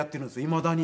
いまだに。